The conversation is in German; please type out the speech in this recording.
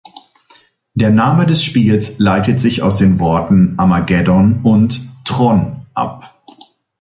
Der Name des Spiels leitet sich aus den Worten "Armageddon" und "Tron" ab.